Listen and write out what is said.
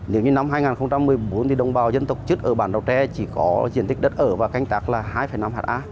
nếu như năm hai nghìn một mươi bốn thì đồng bào dân tộc chức ở bản giao tre chỉ có diện tích đất ở và canh tác là hai năm hạt á